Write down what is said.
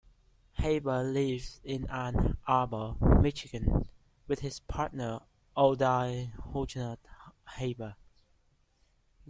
Haber lives in Ann Arbor, Michigan with his partner Odile Hugonot-Haber.